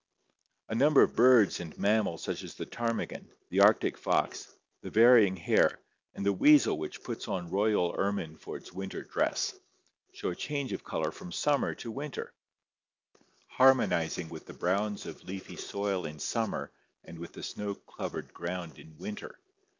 A number of birds and mammals such as the ptarmigan, the Arctic fox, the varying hare, and the weasel which puts on royal ermine for its winter dress, show a change of color from summer to winter, harmonizing with the browns of leafy soil or rock in 234 ORGANIC EVOLUTION summer and with the snow covered ground in winter.